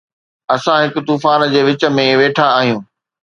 اسان هڪ طوفان جي وچ ۾ ويٺا آهيون